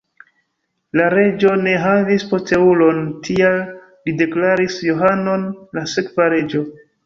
La reĝo ne havis posteulon, tial li deklaris Johanon la sekva reĝo.